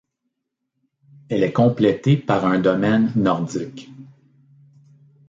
Elle est complétée par un domaine nordique.